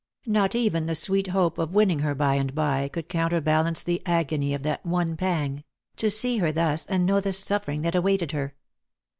Not even the sweet hope of winning her by and by could counterbalance the agony of that one pang — to see her thus and know the suffering that awaited her.